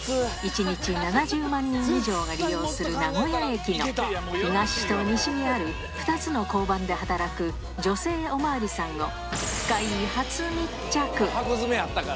１日７０万人以上が利用する名古屋駅の、東と西にある２つの交番で働く、女性お巡りさんを、深イイ初密着。